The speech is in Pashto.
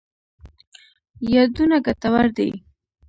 یادونه ګټور دي.